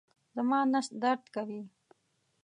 زما نس درد کوي